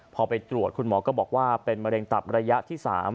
พอไปตรวจคุณหมอก็บอกว่าเป็นมะเร็งตับระยะที่๓